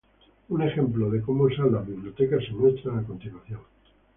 Un ejemplo de cómo usar las bibliotecas se muestra a continuación.